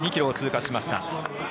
３２ｋｍを通過しました。